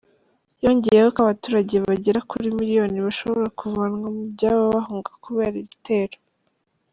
Yongeyeho ko abaturage bagera kuri miliyoni bashobora kuvanwa mu byabo bahunga kubera ibitero.